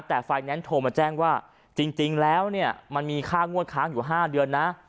แต่ไฟแนนซ์โทรมาแจ้งว่าจริงแล้วเนี่ยมันมีค่างวดค้างอยู่๕เดือนนะ